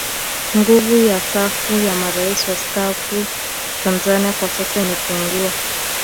Nguvu ya safu ya Marais wastaafu Tanzania kwa sasa imepungua